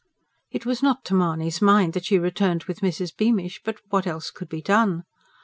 It was not to Mahony's mind that she returned with Mrs. Beamish but what else could be done?